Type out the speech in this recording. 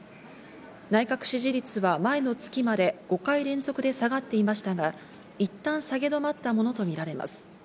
内閣支持率は前の月まで５回連続で下がっていましたが、いったん下げ止まったものとみられます。